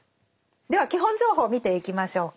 では基本情報を見ていきましょうか。